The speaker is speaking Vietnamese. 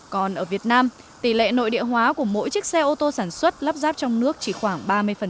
còn ở việt nam tỷ lệ nội địa hóa của mỗi chiếc xe ô tô sản xuất lắp ráp trong nước chỉ khoảng ba mươi